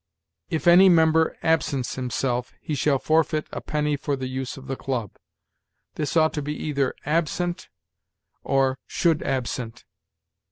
'If any member absents himself, he shall forfeit a penny for the use of the club'; this ought to be either 'absent,' or 'should absent.'